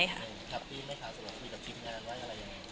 สำหรับคุยกับที่มันยังไง